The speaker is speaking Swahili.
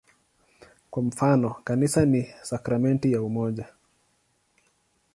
Kwa mfano, "Kanisa ni sakramenti ya umoja".